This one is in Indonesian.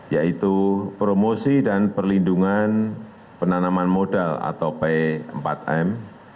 yaitu promosi dan perlindungan penanaman modal atau p empat m